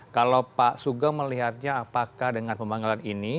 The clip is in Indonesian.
kalau pak sugeng melihatnya apakah dengan pemanggilan ini